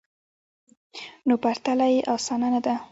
نو پرتلنه یې اسانه نه ده